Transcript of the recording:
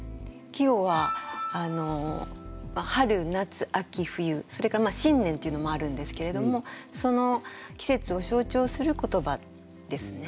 季語は春・夏・秋・冬それから新年というのもあるんですけれどもその季節を象徴する言葉ですね。